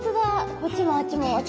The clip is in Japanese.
こっちもあっちもあっちも。